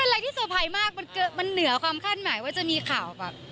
มันเป็นอะไรที่โสภัยมากมันเหนือความคาดหมายว่าจะมีข่าว